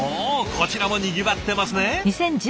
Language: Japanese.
こちらもにぎわってますね。